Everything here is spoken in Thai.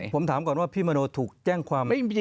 ผมถามก่อนว่าพี่มโนถูกแจ้งความ